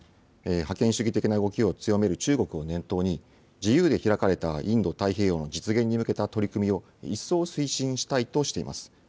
覇権主義的な動きを強める中国を念頭に、自由で開かれたインド太平洋の実現に向けた取り組みを一層推進したいとしています。